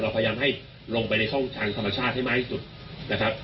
พยายามให้ลงไปในช่องทางธรรมชาติให้มากที่สุดนะครับ